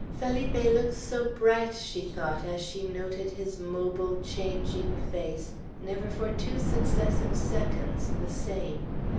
"Felipe looks so bright!" she thought, as she noted his mobile changing face, never for two successive seconds the same.